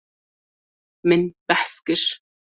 Min behs kir.